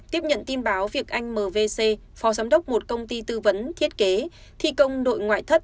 tiếp nhận tin báo việc anh mv c phó giám đốc một công ty tư vấn thiết kế thi công nội ngoại thất